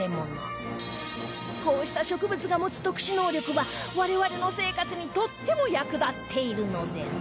こうした植物が持つ特殊能力は我々の生活にとっても役立っているのです